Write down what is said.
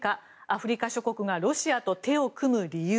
アフリカ諸国がロシアと手を組む理由。